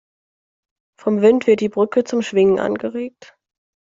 Vom Wind wird die Brücke zum Schwingen angeregt.